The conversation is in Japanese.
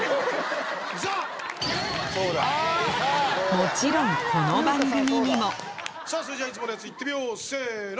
もちろんこの番組にもそれじゃいつものやつ行ってみようせの。